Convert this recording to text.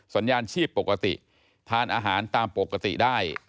สัญญาณชีพปกติทานอาหารตามปกติได้